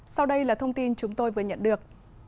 sau đây là thông tin chúng tôi vừa nhận được